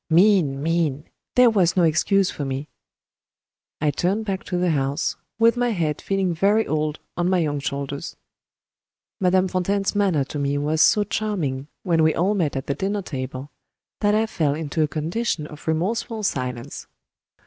Mean! mean! there was no excuse for me. I turned back to the house, with my head feeling very old on my young shoulders. Madame Fontaine's manner to me was so charming, when we all met at the dinner table, that I fell into a condition of remorseful silence.